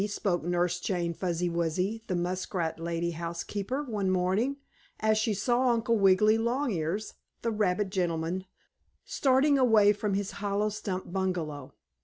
spoke Nurse Jane Fuzzy Wuzzy, the muskrat lady housekeeper, one morning, as she saw Uncle Wiggily Longears, the rabbit gentleman, starting away from his hollow stump bungalow.